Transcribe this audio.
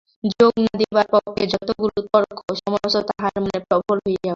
যোগ না-দিবার পক্ষে যতগুলি তর্ক, সমস্ত তাহার মনে প্রবল হইয়া উঠিল।